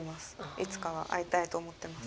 いつかは会いたいと思ってます。